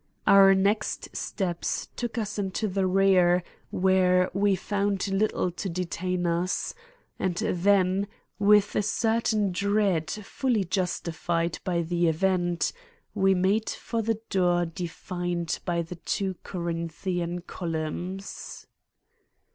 Our next steps took us into the rear where we found little to detain us, and then, with a certain dread fully justified by the event, we made for the door defined by the two Corinthian columns.